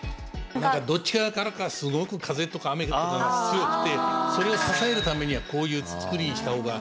どっち側からかすごく風とか雨とかが強くてそれを支えるためにはこういうつくりにした方がいい。